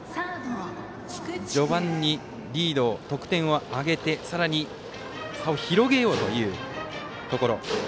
序盤にリードを得点を挙げてさらに差を広げようというところ。